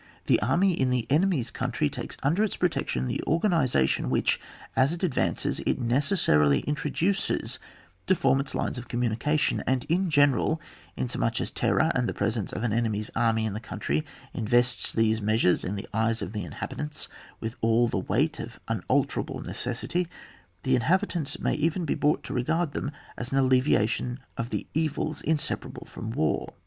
The army in the enemy's country takes under its protection the organisation which, as it advances, it necessarily introduces to form its lines of communication ; and in general, inasmuch as terror, and the pre sence of an enemy's army in the country invests these measures in the eyes of the inhabitants with aU the weight of un alterable necessity, the inhabitants may even be brought to regard them as an alleviation of the evils inseparable from war.